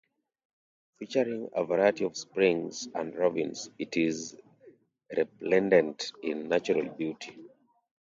Featuring a variety of springs and ravines, it is resplendent in natural beauty.